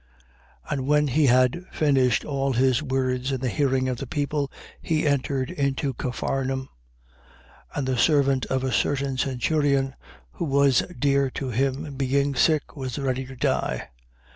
7:1. And when he had finished all his words in the hearing of the people, he entered into Capharnaum. 7:2. And the servant of a certain centurion who was dear to him, being sick, was ready to die.